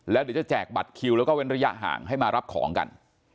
แล้วเดี๋ยวจะแจกบัตรคิวแล้วก็เว้นระยะห่างให้มารับของกัน